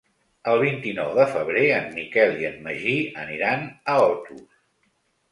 El vint-i-nou de febrer en Miquel i en Magí aniran a Otos.